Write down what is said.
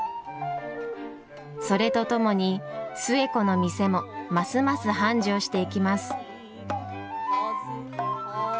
それとともに寿恵子の店もますます繁盛していきます。